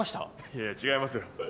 いやいや違いますよ。